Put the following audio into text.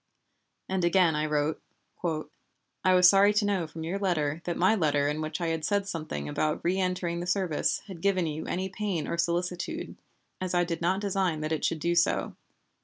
And again I wrote: "I was sorry to know from your letter that my letter in which I had said something about reëntering the service had given you any pain or solicitude, as I did not design that it should do so.